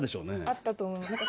あったと思います。